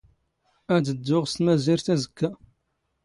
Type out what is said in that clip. ⴰⴷ ⴷⴷⵓⵖ ⵙ ⵜⵎⴰⵣⵉⵔⵜ ⴰⵣⴽⴽⴰ.